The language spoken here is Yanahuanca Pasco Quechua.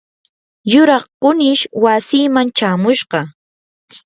yuraq kunish wasiiman chamushqa.